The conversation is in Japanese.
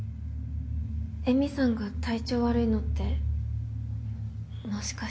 絵美さんが体調悪いのってもしかして。